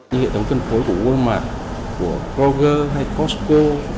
như hệ thống cân phối của walmart của kroger hay costco